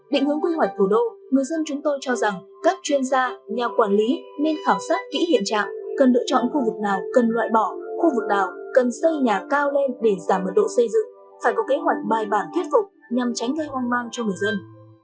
định hướng quy hoạch thủ đô người dân chúng tôi cho rằng các chuyên gia nhà quản lý nên khảo sát kỹ hiện trạng cần lựa chọn khu vực nào cần loại bỏ khu vực nào cần xây nhà cao lên để giảm mật độ xây dựng phải có kế hoạch bài bản thuyết phục nhằm tránh gây hoang mang cho người dân